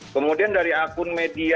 kemudian dari akun media